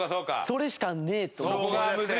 それしかねえと思って。